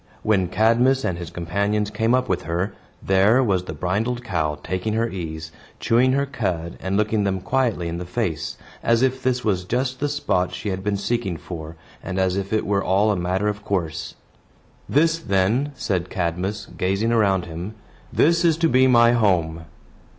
When Cadmus and his companions came up with her, there was the brindled cow taking her ease, chewing her cud, and looking them quietly in the face; as if this was just the spot she had been seeking for, and as if it were all a matter of course. "This, then," said Cadmus, gazing around him, "this is to be my home."